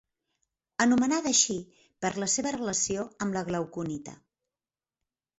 Anomenada així per la seva relació amb la glauconita.